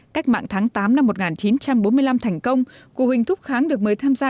cách mạng tháng tám năm một nghìn chín trăm bốn mươi năm thành công cụ huỳnh thúc kháng được mời tham gia